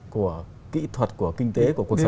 của kỹ thuật của kinh tế của cuộc sống